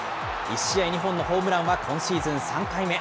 １試合２本のホームランは今シーズン３回目。